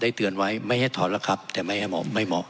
ได้เตือนไว้ไม่ให้ถอนละครับแต่ไม่ให้หมอไม่หมอ